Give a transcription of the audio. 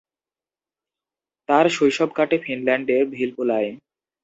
তার শৈশব কাটে ফিনল্যান্ডের ভিলপুলায়।